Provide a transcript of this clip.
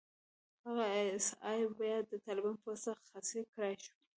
هغه ای اس ای بيا د طالبانو په واسطه خصي کړای شو.